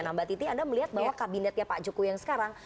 nah mbak titi anda melihat bahwa kabinetnya pak jokowi yang sekarang